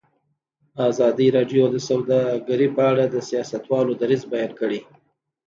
ازادي راډیو د سوداګري په اړه د سیاستوالو دریځ بیان کړی.